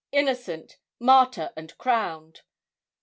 innocent! martyr and crowned!'